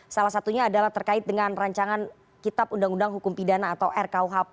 salah satunya adalah terkait dengan rancangan kitab undang undang hukum pidana atau rkuhp